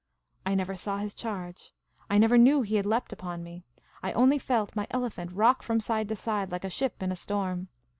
I never saw his charge. I never knew he had leapt upon me. I only felt my elephant rock from side to side like a ship in a storm.